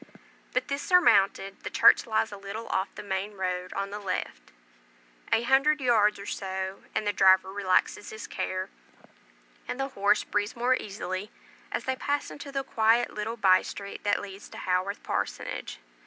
But this surmounted, the church lies a little off the main road on the left; a hundred yards, or so, and the driver relaxes his care, and the horse breathes more easily, as they pass into the quite little by street that leads to Haworth Parsonage.